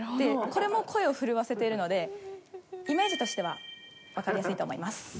これも声を震わせているのでイメージとしてはわかりやすいと思います。